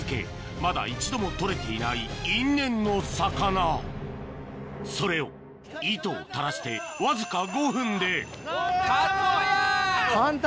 まだ一度も取れていない因縁の魚それを糸を垂らしてわずか５分でカツオや！